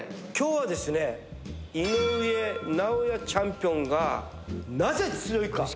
今日はですね井上尚弥チャンピオンがなぜ強いか。